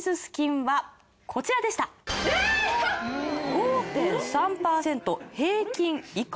５．３％平均以下。